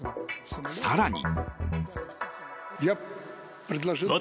更に。